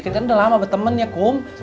kan udah lama bertemen ya kum